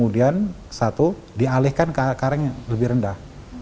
dan satu dialihkan ke kareng yang lebih rendah